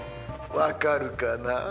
分かるかな？